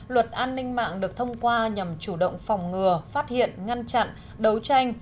luật an ninh mạng được thông qua nhằm chủ động phòng ngừa phát hiện ngăn chặn đấu tranh